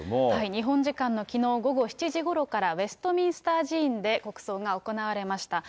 日本時間のきのう午後７時ごろから、ウェストミンスター寺院で国葬が行われました。